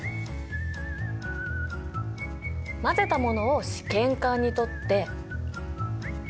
混ぜたものを試験管にとって。